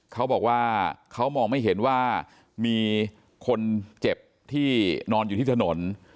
เขาบอกว่าเขามองไม่เห็นว่ามีคนเจ็บที่นอนอยู่ที่ถนน